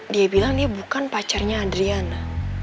dia bilang dia bukan pacarnya adriana